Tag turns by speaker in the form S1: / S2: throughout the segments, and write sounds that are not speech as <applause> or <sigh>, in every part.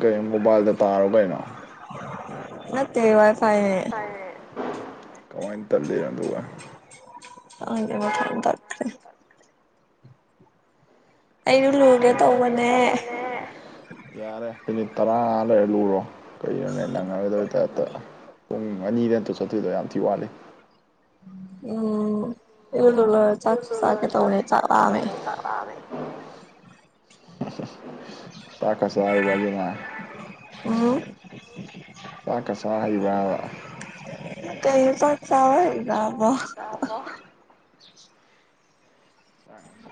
S1: ꯀ ꯃꯣꯕꯥꯏꯜꯗ ꯇꯥꯔꯣ ꯀꯩꯅꯣ
S2: ꯑ ꯇꯩ ꯋꯥꯔ ꯐꯥꯏ
S1: ꯀꯃꯥꯏꯅ ꯇꯟꯗꯦꯔꯣ ꯑꯗꯨꯒ
S2: ꯑꯗꯨ ꯊ ꯑꯩꯗꯣ ꯂꯨꯒꯦ ꯇꯧꯕꯅꯦ
S1: ꯌꯥꯔꯦ ꯃꯤꯅꯤꯠ ꯇꯔꯥ ꯂꯩꯔ ꯂꯨꯔꯣ ꯀꯒꯤꯅꯣꯅꯦ ꯅꯪꯉꯔꯣꯏꯗꯕꯩ ꯇꯥꯏꯞꯇ ꯄꯨꯡ ꯑꯅꯤꯗ ꯅꯠꯇꯔꯣ ꯆꯠꯇꯣꯏꯗꯣ ꯌꯥꯝ ꯊꯤ ꯋꯥꯠꯂꯤ
S2: <unintelligible>
S1: ꯆ ꯆꯦ ꯇꯧ ꯇ ꯇꯥꯦ <unintelligible> ꯆꯥꯛꯀ ꯆꯥꯔꯒꯅꯦ
S2: ꯎꯝ
S1: ꯆꯥꯛꯀ ꯆꯥ ꯍꯩꯕꯔꯕ
S2: ꯀꯩꯅꯣ ꯆꯥꯛ ꯆꯔꯥ ꯏꯜꯂꯛꯑꯕꯣ
S1: ꯕꯣ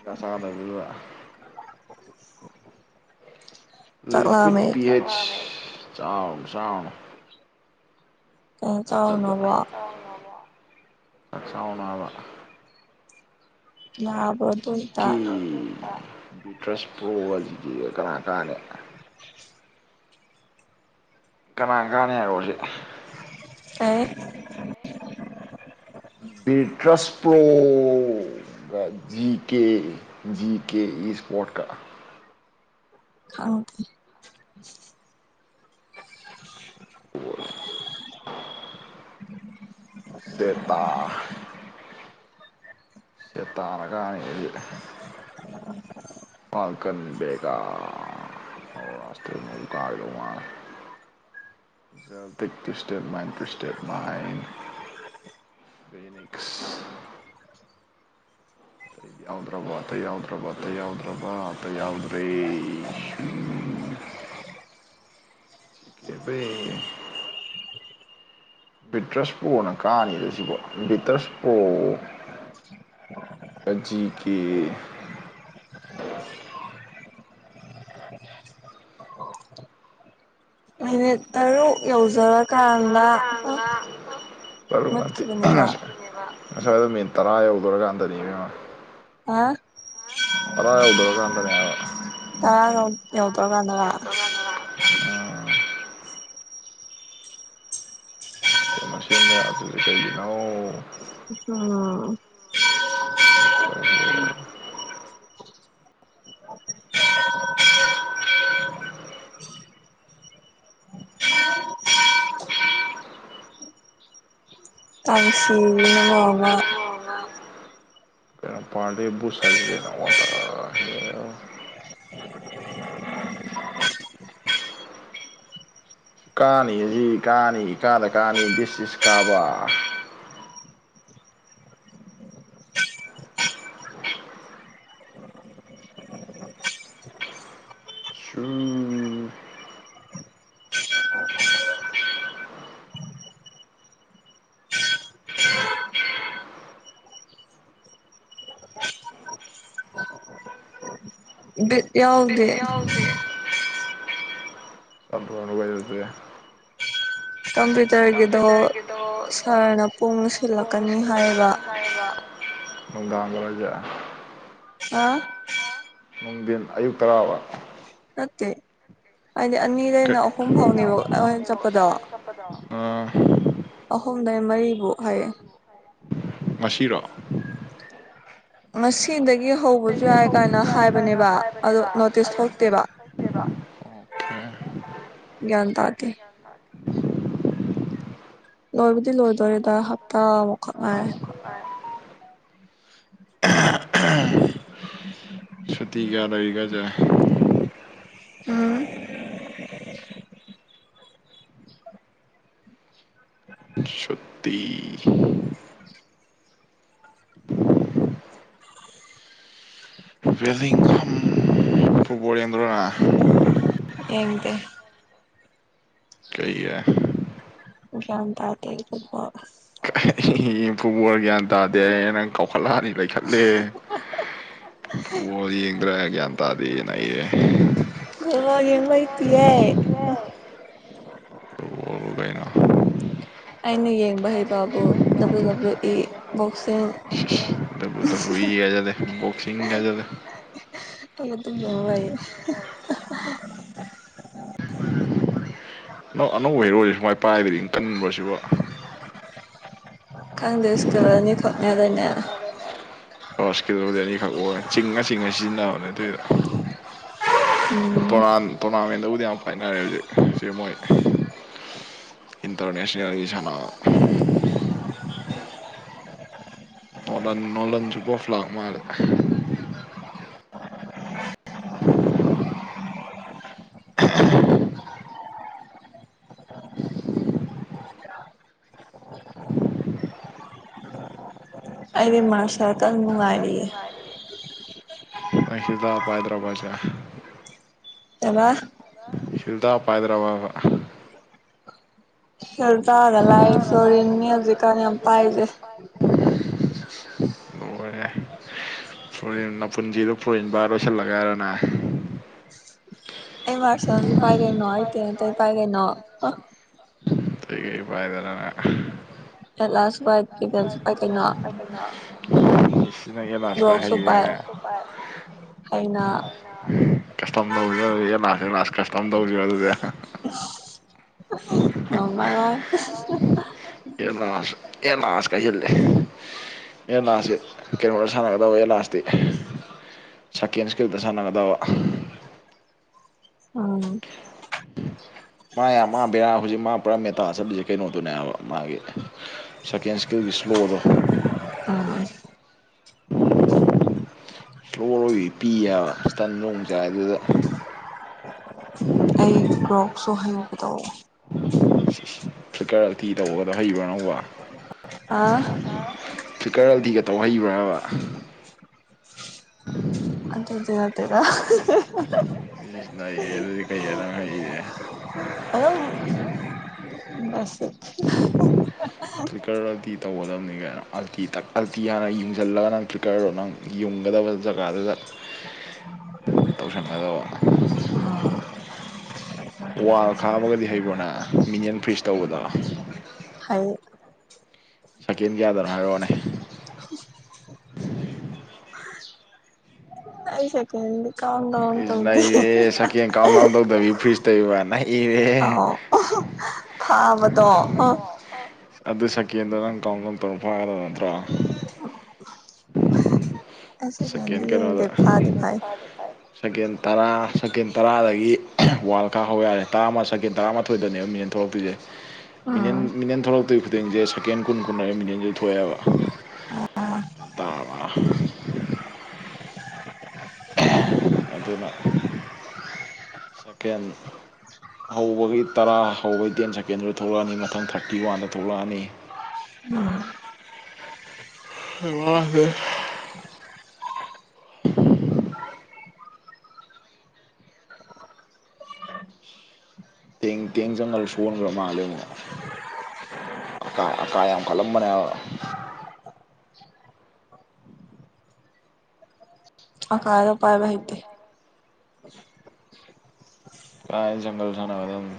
S1: ꯀ ꯆꯥꯗꯕꯤꯕ
S2: <unintelligible>
S1: ꯂꯤꯀ꯭ꯋꯤꯠ ꯄꯤ ꯍꯩꯆ ꯆꯥꯎ ꯆꯥꯎꯅ ꯀꯩ ꯀꯥꯟꯗꯕꯗ ꯁꯥꯎꯅꯨ ꯍꯥꯏꯕ ꯖꯤ ꯀꯦ ꯕꯤꯇ꯭ꯔꯁ ꯄ꯭ꯔꯣꯖꯤ ꯀꯅꯥ ꯀꯥꯟꯅꯦ ꯀꯅꯥ ꯀꯥꯟꯅꯤ ꯍꯥꯏꯔꯣꯖꯤ
S2: ꯑꯦ
S1: ꯕꯤꯇ꯭ꯔꯁꯄꯨ ꯑꯗꯨꯒ G K G K sport ꯀ
S2: ꯍꯥꯎꯗ
S1: ꯍ ꯄꯦꯇꯥ ꯁꯦ ꯇꯥꯔꯒꯥꯟꯅ ꯐꯜꯀꯟ ꯕ <unintelligible> ꯦꯒ ꯑꯣ ꯔꯥꯁꯇꯀꯥꯂꯃ ꯖꯦꯜꯇ ꯇꯨꯁꯇꯦꯠ ꯇꯨꯁꯇꯦꯠ ꯃꯥꯥꯏꯟ ꯕꯦꯔꯤ ꯃꯤꯁ ꯑꯇꯩ ꯌꯥꯎꯗ꯭ꯔꯕ ꯑꯇꯩ ꯌꯥꯎꯗ꯭ꯔꯕ ꯑꯇꯩ ꯌꯥꯎꯗ꯭ꯔꯕ ꯑꯇꯩ ꯌꯥꯎꯗ꯭ꯔꯦ ꯁꯨ <unintelligible> ꯕꯤꯇ꯭ꯔꯁꯄꯣꯅ ꯀꯥꯅꯤꯗ ꯁꯤꯕꯣ ꯕꯤꯇꯁꯄꯣ ꯖꯤ ꯀꯦ
S2: <unintelligible> <inaudible> ꯃꯤꯅꯤꯠ ꯇꯔꯨꯛ ꯌꯧꯖꯔ
S1: ꯃꯔꯔꯃꯗꯤꯁ ꯉꯁꯥꯏ ꯑꯗꯣ ꯃꯤꯠ ꯇꯔꯥ ꯌꯧꯗꯣꯔꯔꯀꯥꯟꯗꯅꯤꯅꯦꯍꯥ
S2: ꯑꯥ
S1: ꯇꯔ ꯌꯧꯗꯧꯔꯀꯟꯗꯅꯦ ꯍꯥꯏꯕ
S2: ꯑ ꯉ ꯌꯧꯗꯔ ꯀꯥꯟꯗꯨꯗ
S1: <unintelligible> ꯀꯩꯅꯣꯅ ꯑꯗꯨꯗꯤ ꯀꯩꯒꯤꯅꯣ
S2: <unintelligible>
S1: ꯑꯩꯣꯏ
S2: ꯇꯝꯁꯤꯅꯃ ꯑꯃ
S1: ꯀꯩꯅ ꯄꯥꯔꯦꯕꯨꯁꯖꯤꯅ ꯋꯥꯇꯥ ꯀꯥꯅꯤꯌꯦꯖꯤ ꯀꯥꯅꯤ ꯏꯀꯥꯗ ꯀꯥꯅꯤ ꯗꯤꯁ ꯏꯁ ꯀꯥꯕꯥ ꯁꯨꯨꯝ
S2: ꯕꯤꯠ ꯌꯥꯎꯗꯦ
S1: <unintelligible>
S2: ꯀꯝꯄ꯭ꯌꯨꯇꯔꯒꯤꯗꯣ ꯁꯥꯔꯅ ꯄꯨꯡ ꯁꯤꯜꯂꯛꯀꯅꯤ ꯍꯥꯏꯕ
S1: ꯕ ꯅꯨꯡꯗꯥꯡ ꯔꯖ
S2: ꯑ
S1: ꯑꯌꯨꯛ ꯇꯔꯥꯕ
S2: ꯅꯠꯇꯦ ꯍꯥꯏꯗꯤ ꯑꯅꯤꯗꯩꯩꯅ ꯑꯍꯨꯝ ꯐꯥꯎꯅꯦꯕ ꯑꯣꯏꯅ ꯆꯠꯄꯗꯣ
S1: ꯑ
S2: ꯑꯍꯨꯝꯗꯩꯩ ꯃꯔꯤꯕꯨ ꯍꯥꯏꯌꯦ
S1: ꯉꯁꯤꯔꯣ
S2: ꯉꯁꯤꯗꯒꯤ ꯍꯧꯕꯁꯨ ꯌꯥꯏ ꯀꯥꯏꯅ ꯍꯥꯏꯕꯅꯦꯕ ꯑꯗꯣ ꯅꯣꯇꯤꯁ ꯊꯣꯛꯇꯦꯕ
S1: ꯑꯣꯀꯦ
S2: ꯭ꯟ ꯇꯒꯦ
S1: <inaudible>
S2: ꯂꯣꯏꯕꯨꯗꯤ ꯂꯣꯏꯗꯣꯏꯔꯦꯗ ꯍꯞꯇꯥꯃꯨꯛꯈꯛ ꯉꯥꯏꯔꯦ ꯎꯝ
S1: ꯁꯨꯇꯤ ꯀꯌꯥ ꯂꯩꯒꯥꯖ
S2: ꯎꯝ
S1: ꯁꯨꯇꯤ ꯕꯦꯔꯤ ꯈꯝ ꯐꯨꯠꯕꯣꯜ ꯌꯦꯡꯗꯔ ꯍꯥ
S2: ꯌꯦꯡꯗꯦ
S1: ꯀꯩꯔ
S2: ꯌꯥꯝꯝ ꯇꯥꯗꯦ ꯑꯗꯨꯕꯧ
S1: ꯏ ꯐꯨꯠꯕꯣꯜ ꯒ꯭ꯌꯥꯟ ꯇꯥꯗꯦ ꯅꯪ ꯀꯥꯎꯈꯠꯂꯛꯑꯅꯤ ꯂꯩꯈꯠꯂꯦ ꯕꯣꯜ ꯌꯦꯡꯗ꯭ꯔꯦ ꯒ꯭ꯌꯥꯟ ꯇꯥꯗꯦꯅ ꯑꯩ
S2: ꯑꯣ ꯌꯦꯡꯉꯩꯇꯤꯌꯦ
S1: <unintelligible>
S2: ꯑꯩꯅ ꯌꯦꯡꯕ ꯍꯩꯕꯕꯨ ꯗꯕ꯭ꯂꯤꯎ ꯗꯕ꯭ꯂꯤꯎ ꯏ ꯕꯣꯛꯁꯤꯡ
S1: ꯕꯨꯠꯇ ꯕꯣꯛꯁꯤꯡꯒ ꯍꯥꯏꯖꯜꯂꯦ
S2: <unintelligible>
S1: <unintelligible> ꯑꯅꯧꯕ ꯍꯦꯔꯣꯁꯤ ꯁꯨꯡꯄꯥꯏ ꯄꯥꯏꯕ꯭ꯔꯤ ꯀꯟꯕ꯭ꯔꯣ ꯁꯤꯕꯣ
S2: ꯈꯪꯗꯦ <unintelligible> ꯈꯛꯅꯦ ꯍꯥꯏꯗꯥꯏꯅꯦ
S1: ꯑꯣ ꯏꯁꯀꯤꯜꯕꯨꯗꯤ ꯑꯅꯤꯈꯛ ꯑꯣꯏ ꯆꯤꯡꯉ ꯆꯤꯡꯉ ꯁꯤꯖꯤꯟꯅꯕꯅꯦ ꯑꯗꯨꯏꯗꯣ ꯇꯣꯅꯥꯟ ꯇꯧꯔꯅꯥꯃꯦꯟꯠ ꯗꯕꯨꯗꯤ ꯃꯌꯥꯝ <unintelligible> ꯏꯟꯇꯔꯅꯦꯁꯅꯦꯜꯒꯤ ꯁꯥꯟꯅ <unintelligible> ꯂꯥꯛ ꯃꯥꯂꯦ <unintelligible>
S2: ꯑꯩꯗꯤ ꯃꯥꯁꯇꯁꯔ
S1: <unintelligible> ꯅꯡ ꯍꯤꯟꯗ ꯄꯥꯏꯗ꯭ꯔꯕꯥ ꯍꯥꯏꯁꯦ
S2: <unintelligible>
S1: ꯍꯤꯜꯗꯥ ꯄꯥꯏꯗ꯭ꯔꯕꯥ ꯍꯥꯏꯕ
S2: <unintelligible> ꯌꯥꯝ ꯄꯥꯏꯁꯦ
S1: <unintelligible> ꯑꯦ ꯐꯣꯔꯦꯟ ꯃꯄꯨꯟꯁꯤꯗꯣ ꯐꯣꯔꯦꯟ ꯄꯥꯏꯔ ꯂꯣꯏꯁꯤꯜꯂꯒꯦ ꯍꯥꯏꯔꯣ ꯅꯪ
S2: ꯑꯩ ꯃꯥꯔꯁꯜ ꯄꯥꯏꯒꯩꯅꯣ ꯑꯩ <unintelligible>
S1: ꯀꯩ ꯀꯩ ꯄꯥꯏꯗꯅ ꯅꯪ <unintelligible> <unintelligible>
S2: ꯍꯥꯏꯅ
S1: ꯀꯁꯇꯝ ꯇꯧꯁꯤꯔ ꯑꯗꯨ ꯑꯦ ꯂꯥꯁ ꯀꯁꯇꯝ ꯇꯧꯁꯤꯔꯣ ꯑꯗꯨꯗꯤ
S2: ꯉꯝꯃꯔꯣꯏ
S1: <unintelligible> ꯑꯦꯠ ꯂꯥꯁꯁꯦ ꯀꯩꯅꯣꯗꯥ ꯁꯥꯟꯅꯒꯗꯕ ꯑꯦꯠ ꯂꯥꯁꯇꯤ ꯁꯦꯀꯦꯟ ꯁꯀ꯭ꯔꯤꯜꯗ ꯁꯥꯟꯅꯒꯗꯕ
S2: ꯑꯥ
S1: ꯃꯥꯏ ꯑꯃꯥ ꯕꯦꯔꯥ ꯍꯧꯖꯤꯛ ꯃꯥ ꯄꯨꯔꯥ ꯃꯦꯇꯥ ꯆꯠꯂꯤꯁꯦ ꯀꯩꯅꯣꯗꯨꯅꯦ ꯍꯥꯏꯕ ꯃꯥꯒꯤ ꯁꯦꯀꯦꯟ ꯏꯁꯀꯤꯜꯒꯤ ꯏꯁ꯭ꯂꯣꯗꯣ
S2: <unintelligible>
S1: <unintelligible> <unintelligible> ꯄꯤꯌꯦꯕ ꯏꯁꯇꯟ <unintelligible> ꯑꯗꯨꯗ
S2: ꯑꯩ ꯀ꯭ꯔꯣꯛꯁꯨ ꯍꯩ ꯇꯧ
S1: <unintelligible> ꯇꯧꯕꯒꯗꯣ ꯍꯩꯕ꯭ꯔꯥ ꯅꯧꯕꯣ
S2: ꯑꯥ
S1: <unintelligible> ꯐꯤꯀꯔꯜꯗꯤꯒ ꯇꯧ ꯍꯩꯕ꯭ꯔꯥꯕ <unintelligible>
S2: ꯑꯗꯨꯗꯤ ꯍꯩꯇꯦꯗ <unintelligible>
S1: <unintelligible> ꯑꯗꯨꯗꯤ ꯀꯩꯅꯣ ꯅꯪ ꯍꯩꯁꯦ
S2: <unintelligible>
S1: ꯇ꯭ꯔꯤꯛꯀꯔ ꯑꯜꯇꯤ ꯇꯧꯗꯕꯅꯤ ꯀꯥꯏꯅꯣ ꯑꯜꯇꯤ ꯑꯜꯇꯤ ꯍꯥꯟꯅ ꯌꯨꯡꯁꯤꯜꯂꯒ ꯅꯪ ꯇ꯭ꯔꯤꯛꯀꯔꯗꯣ ꯅꯪ ꯌꯨꯡꯒꯗꯕ ꯖꯒꯥꯗꯨꯗ
S2: <unintelligible>
S1: ꯇꯧꯁꯟꯒꯗꯕ ꯋꯥꯜ ꯈꯥꯝꯃꯒꯗꯤ ꯍꯩꯕ꯭ꯔꯣ ꯅꯪ ꯃꯤꯅꯤꯑꯟ ꯐ꯭ꯔꯤꯖ ꯇꯧꯕꯗꯣ
S2: ꯍꯥꯏꯌꯦ
S1: ꯁꯦꯀꯦꯟ ꯀꯌꯥꯗꯅꯣ ꯍꯥꯏꯔꯛꯑꯣꯅꯦ
S2: ꯑꯩ ꯁꯦꯀꯗꯤ ꯀꯥꯎꯟꯗꯥꯎꯟ ꯇꯧꯗꯦ <unintelligible>
S1: <unintelligible> ꯐ꯭ꯔꯤꯖ ꯇꯩꯔꯤꯕ ꯅꯩꯔꯦ
S2: <unintelligible>
S1: ꯑꯗꯨ ꯁꯀꯦꯟꯗꯣ ꯅꯪ ꯀꯥꯎꯟꯗꯥꯎꯟ ꯇꯧꯔ ꯐꯥꯒꯗꯕ ꯅꯠꯇ꯭ꯔꯣ <inaudible> ꯁꯀꯦꯟ ꯇꯔꯥ ꯁꯀꯦꯟ ꯇꯔꯥꯗꯒꯤ ꯋꯥꯔꯜ ꯀꯥꯞ ꯍꯧꯕ ꯌꯥꯔꯦ ꯇꯔꯥ ꯑꯃ ꯁꯦꯀꯦꯟ ꯇꯔꯥꯃ ꯑꯊꯣꯏꯗꯅꯦꯕ ꯃꯤꯅ ꯊꯣꯛꯂꯛꯇꯣꯏꯁꯦ ꯅꯤꯟ ꯃꯤꯅꯤꯟ ꯊꯣꯛꯂꯛꯇꯣꯏ ꯈꯨꯗꯤꯡꯁꯦ ꯁꯦꯀꯦꯟ ꯀꯨꯟ ꯀꯨꯟꯔꯦ ꯃꯤꯅꯤꯌꯟꯁꯤꯦ ꯊꯣꯛꯑꯦꯕ ꯌꯥꯝ ꯇꯔꯕꯥ ꯑꯗꯨꯅ ꯁꯦꯀꯦꯟ ꯍꯧꯕꯒꯤ ꯇꯔꯥ ꯍꯧꯕꯒꯤ ꯇꯦꯟ ꯁꯦꯀꯦꯟꯗꯨꯗ ꯊꯣꯛꯂꯛꯑꯅꯤ ꯃꯊꯪ ꯊꯥꯔꯇꯤ ꯋꯥꯟꯗꯣ ꯊꯣꯛꯂꯛꯑꯅꯤ
S2: <unintelligible>
S1: <unintelligible> ꯇꯦꯡ ꯇꯦꯡ ꯆꯪꯒꯜ ꯁꯣꯟꯈ꯭ꯔ ꯃꯥꯜꯂꯦ ꯑꯃꯨꯛ ꯑꯀ ꯑꯀꯥ ꯌꯥꯝ ꯀꯜꯂꯝꯕꯅꯦ
S2: ꯑ ꯀ ꯄꯥꯏ ꯍꯥꯏꯍꯤꯇꯦ
S1: ꯃꯥꯏ ꯗꯤ ꯖꯪꯒꯜ ꯁꯟꯅꯒꯗꯕꯅꯤ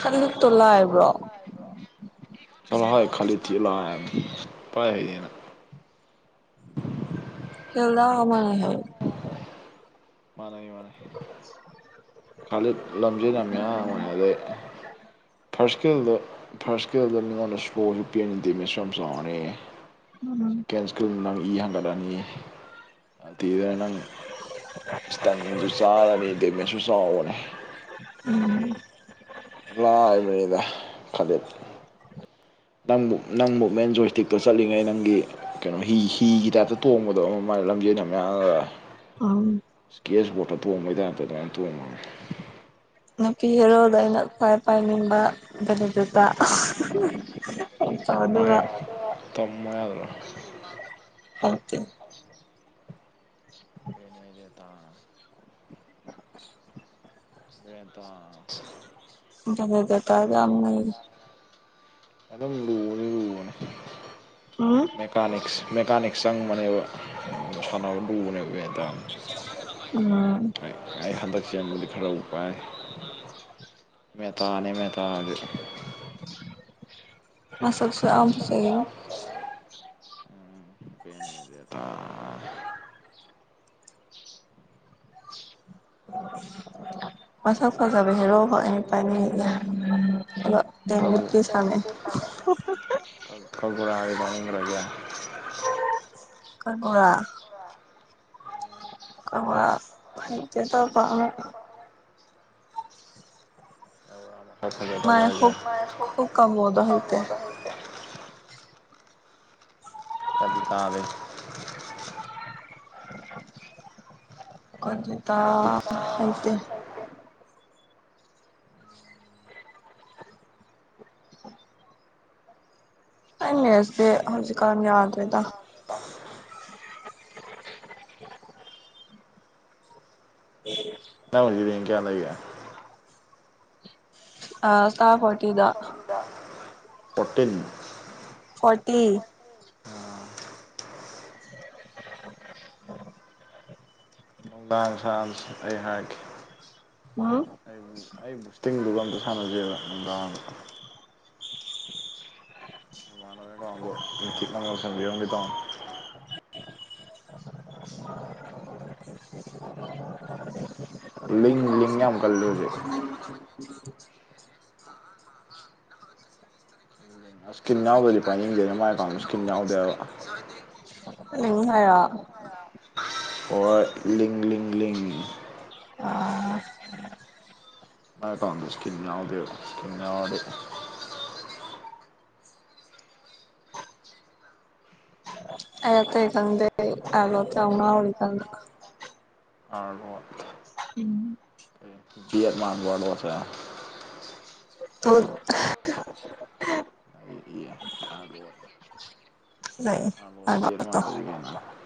S2: ꯈꯂꯨꯛꯇꯣ ꯂꯥꯏꯕ꯭ꯔꯣ
S1: <unintelligible>
S2: ꯍꯦꯜꯗ ꯑꯃꯥꯅ ꯍꯩ
S1: ꯃꯥꯅꯦꯅꯤ ꯃꯥꯅꯦ ꯈꯥꯂꯤꯛ ꯂꯝꯁꯤꯦ ꯂꯝ ꯃꯌꯥꯝ ꯑꯗꯩ ꯐꯥꯔꯁꯀꯤꯜꯗꯣ ꯐꯔꯁꯀꯤ ꯑꯣꯏꯅ ꯃꯤꯉꯣꯟꯗ ꯁꯣꯁꯨ ꯄꯦꯟꯗꯦ ꯃꯦꯠꯁꯁꯨ ꯌꯥꯝ ꯆꯥꯎꯔꯅꯤꯌꯦ ꯁꯦꯀꯦꯟ ꯏꯁꯀ꯭ꯔꯤꯜ ꯅꯪ ꯏ ꯍꯪꯒꯠꯂꯅꯤ ꯇꯤꯗꯅ ꯅꯪ ꯏꯁꯇꯪꯁꯨ ꯆꯥꯔꯅꯤ ꯗꯦꯃꯦꯁꯁꯨ ꯆꯥꯎꯕꯅꯤ
S2: <inaudible>
S1: ꯂꯥꯛꯥꯏꯕꯔꯤꯗ ꯈꯗꯤꯦꯞ ꯅꯪꯕꯨ ꯅꯪꯕꯨ ꯃꯨꯨꯞꯃꯦꯟꯠ ꯖꯣꯏꯁꯇꯤꯛꯇꯣ ꯆꯠꯂꯤꯉꯩ ꯅꯪꯒꯤ ꯀꯩꯅꯣ ꯍꯤ ꯍꯤꯒꯤ ꯇꯥꯏꯞꯇ ꯇꯣꯡꯕꯗꯣ ꯑꯃ ꯃꯥꯒꯤ ꯂꯝꯖꯦꯟ ꯌꯥꯝ ꯌꯥꯡꯉꯒ
S2: ꯑ
S1: ꯏꯁꯀꯦꯠꯁ ꯕꯣꯔꯠꯇ ꯇꯣꯡꯕꯩꯗꯥꯛꯝꯇ ꯑꯗꯨꯃꯥꯏꯅ ꯇꯣꯡꯉꯅꯤ
S2: ꯅꯨꯄꯤ ꯍꯔꯣꯜꯗ ꯑꯩꯅ ꯈ꯭ꯋꯥꯏ ꯄꯥꯏꯅꯤꯡꯕ ꯕꯦꯂꯤꯗꯨꯠꯇ
S1: ꯍꯑ ꯇꯃꯣ ꯌꯥꯗ꯭ꯔꯣ
S2: ꯍꯧꯇꯦ
S1: <inaudible> ꯑꯁꯅꯦꯗꯣꯟ
S2: <unintelligible> ꯌꯥꯝ ꯅꯩꯔꯤ
S1: ꯑꯗꯨꯝ ꯂꯨꯕꯅꯤ ꯂꯨꯕꯅꯤ꯫ ꯃꯦꯀꯥꯅꯤꯛꯁ ꯃꯦꯀꯥꯅꯤꯛꯁ ꯆꯪꯕꯅꯦꯕ ꯁꯥꯟꯅꯕ ꯂꯨꯕꯅꯦꯕ ꯍꯦꯛꯇꯥ ꯑꯩ ꯍꯟꯗꯛ ꯆꯦꯟꯕꯗꯤ ꯈꯔ ꯃꯅꯤ ꯃꯦꯇꯥꯅꯤ ꯃꯦꯇꯅꯤ <inaudible>
S2: ꯃꯁꯛ ꯐꯖꯕ ꯍꯦꯔꯣꯒꯔꯣ ꯑꯩꯅꯥ ꯄꯥꯏꯃꯤꯟꯅꯩꯖꯦ ꯑꯗꯨꯒ ꯇꯦꯡꯋꯤꯠꯇꯤ ꯁꯃꯦ ꯍꯥ ꯍꯥ ꯍꯥ
S1: ꯀꯄꯔꯗꯤ ꯄꯌ꯭ꯔꯒ
S2: ꯀꯥꯒꯨꯔꯥ <unintelligible>
S1: <inaudible> ꯇꯥꯂꯤ ꯇꯥꯕ
S2: ꯀꯗꯤꯇ ꯍꯩꯇꯦ ꯃꯦꯖꯇꯦ ꯍꯧꯖꯤꯛꯀꯥꯟ ꯌꯥꯗ꯭ꯔꯦꯗ
S1: <unintelligible> ꯅꯪ ꯍꯧꯖꯤꯛ ꯔꯦꯡꯀ ꯀꯌꯥ ꯂꯩꯒꯦ
S2: ꯑ ꯏꯁꯇꯥꯔ ꯍꯣꯇꯤꯗ
S1: <inaudible>
S2: ꯐꯣꯔꯇꯤ
S1: ꯅꯨꯡꯗꯥꯡꯁꯥ ꯑꯩ ꯍꯥꯏꯔꯛꯀꯦ ꯑꯩ ꯕꯨꯁꯇꯤꯡꯗꯨꯒ ꯑꯝꯇ ꯁꯥꯟꯅꯖꯦꯑꯕ ꯅꯨꯡꯗꯥꯡꯗ ꯏꯃꯥꯟꯅꯕꯒꯤ ꯑꯦꯀꯥꯎꯏꯟ ꯈꯤꯇꯪ ꯌꯧꯁꯤꯟꯕꯤꯔꯝꯒꯦ ꯇꯧꯕꯅꯤ ꯂꯤꯡꯅ ꯌꯥꯝ ꯀꯜꯂꯨ ꯍꯧꯖꯤꯛ
S2: <inaudible>
S1: ꯏꯁꯀꯤꯟ ꯌꯥꯎꯗꯗꯤ ꯄꯥꯏꯅꯤꯡꯗꯦꯅ ꯃꯥꯒꯤ ꯑꯦꯀꯥꯎꯟꯗ ꯁꯀꯤꯟ ꯌꯥꯎꯗꯦꯕ
S2: ꯂꯤꯡ ꯍꯥꯏꯔꯣ
S1: ꯍꫭꯏ ꯂꯤꯡ ꯂꯤꯡ ꯂꯤꯡ ꯃꯥꯏ ꯑꯦꯀꯥꯟꯏꯠꯗꯣ ꯏꯁꯀꯤꯟ ꯌꯥꯎꯗꯦꯕ ꯏꯁꯀꯤꯟ ꯌꯥꯎꯔꯗꯤ
S2: ꯑꯩ ꯑꯇꯩ ꯈꯪꯗꯦ ꯑꯔꯣꯛꯇ ꯉꯥꯎꯔꯤ ꯀꯟꯅꯥ
S1: ꯑꯔꯂꫭꯠ
S2: ꯎꯝ
S1: ꯕꯦꯠ ꯃꯥꯟꯗꯔꫭ ꯑꯔꯂꫭꯠꯁꯦ
S2: <unintelligible> <inaudible> ꯂꯥꯛꯏ
S1: <inaudible>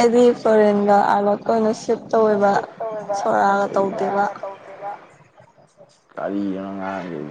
S2: ꯑꯩꯗꯤ ꯐꯣꯔꯦꯟꯒ ꯑꯥꯔꯂꯣꯠꯀ ꯑꯣꯏꯅ ꯁꯤꯞ ꯇꯧꯋꯦꯕ ꯁꯣꯔꯥꯒ ꯇꯧꯗꯦꯕ
S1: ꯀꯔꯤꯅꯣ ꯉꯥꯡꯉꯤꯗꯣ